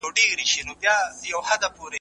یوه ورځ به زه هم تا دلته راوړمه